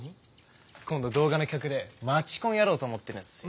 今度動画の企画で街コンやろうと思ってるんすよ。